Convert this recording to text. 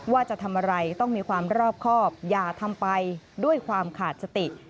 ว่าจะทำอะไรต้องมีความรอบครอบอย่าทำไปด้วยความขาดสติ